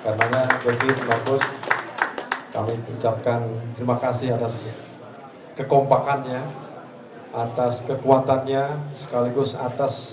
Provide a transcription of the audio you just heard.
karena david marcus kami ucapkan terima kasih atas kekompakannya atas kekuatannya sekaligus atas